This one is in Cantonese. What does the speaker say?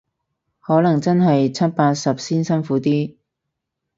可能真係七八十先辛苦啲